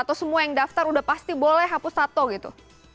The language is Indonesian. atau semua yang daftar udah pasti boleh hapus satu gitu